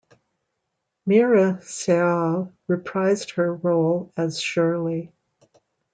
Meera Syal reprised her role as Shirley.